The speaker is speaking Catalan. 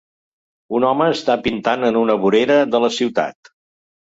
Un home està pintant en una vorera de la ciutat.